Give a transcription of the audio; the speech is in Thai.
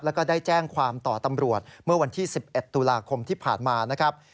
แล้วก็ได้แจ้งความต่อตำรวจเมื่อวันที่๑๑ตุลาคมที่ผ่านมานะครับ